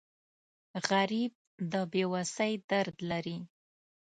غریب د بې وسۍ درد لري